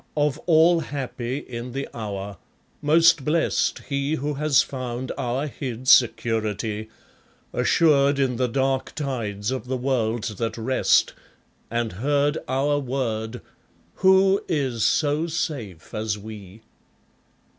of all happy in the hour, most blest He who has found our hid security, Assured in the dark tides of the world that rest, And heard our word, 'Who is so safe as we?'